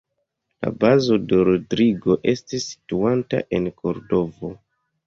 La bazo de Rodrigo estis situanta en Kordovo.